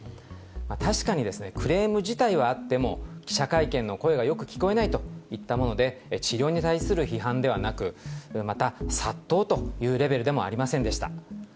確かにクレーム自体はあっても、記者会見の声がよく聞こえないといったもので、治療に対する批判ではなく、また、殺到というレベルでもありませんでした。